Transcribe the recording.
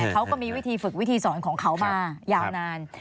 เขาก็มีวิธีฝึกวิธีสอนของเขามายาวนาน